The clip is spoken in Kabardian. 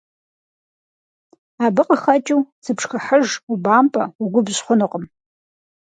Абы къыхэкӀыу, зыпшхыхьыж, убампӀэ, угубжь хъунукъым.